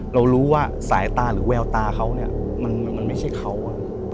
เรารู้ว่าสายตาหรือแววตาเขาเนี่ยมันไม่ใช่เขา